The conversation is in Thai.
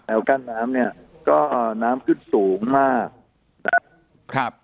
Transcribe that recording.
กั้นน้ำเนี้ยก็น้ำขึ้นสูงมากนะครับ